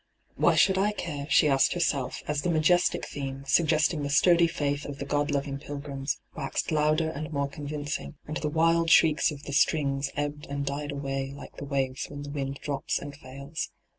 ' Why should I care V she asked herself, as the majestic theme, suggesting the sturdy faith of the God loving pilgrims, waxed louder and more convincing, and the wild shrieks of the ' strings ' ebbed and died away like the waves when the wind drops and fails.